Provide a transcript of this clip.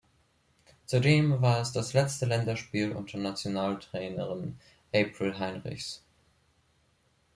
Zudem war es das letzte Länderspiel unter Nationaltrainerin April Heinrichs.